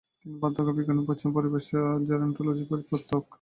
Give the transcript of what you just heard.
তিনি বার্ধক্যবিজ্ঞানের পশ্চিমা পরিভাষা "জেরন্টোলজি"-র প্রবর্তক।